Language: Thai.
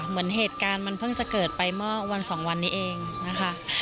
เหมือนเหตุการณ์มันเพิ่งจะเกิดไปเมื่อวันสองวันนี้เองนะคะ